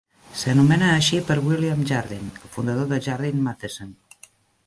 S'anomena així per William Jardine, el fundador de Jardine Matheson.